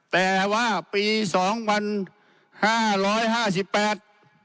แต่ว่าปีสองพันห้าร้อยห้าสิบแปด